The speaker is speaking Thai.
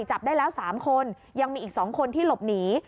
จับได้แล้ว๓คนยังมีอีก๒คนที่หลบหนี